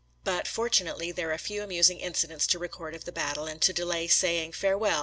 But, fortunately, there are few amusing incidents to record of the battle, and to delay saying, " Farewell !